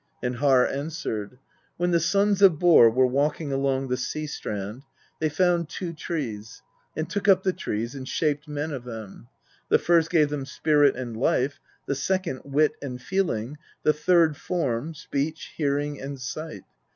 And Harr answered: "When the sons of Borr were walking along the sea strand, they found two trees, and took up the trees and shaped men of them : the first gave them spirit and life; the second, wit and feel ing; the third, form, speech, hearing, and sight.